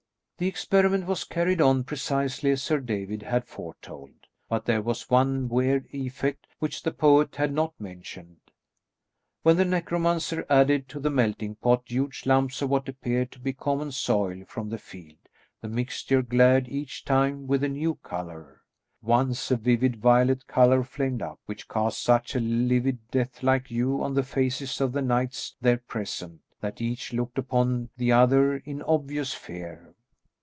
The experiment was carried on precisely as Sir David had foretold, but there was one weird effect which the poet had not mentioned. When the necromancer added to the melting pot huge lumps of what appeared to be common soil from the field, the mixture glared each time with a new colour. Once a vivid violet colour flamed up, which cast such a livid death like hue on the faces of the knights there present, that each looked upon the other in obvious fear.